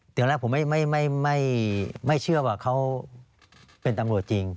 เดี๋ยวแรกผมไม่เชื่อว่าเขาเป็นตำรวจจริง